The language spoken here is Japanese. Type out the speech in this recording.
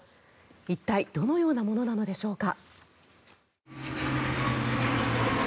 一体どのようなものなのでしょうか？